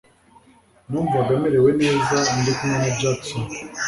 numvaga merewe neza ndikumwe na Jackson